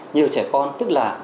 nhiều trẻ con tức là